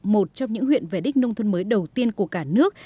một trong những huyện về đích nông thôn mới đầu tiên của cả nước